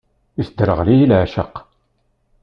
Isderɣel-iyi leεceq.